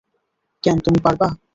ক্যাম, তুমি পারবে।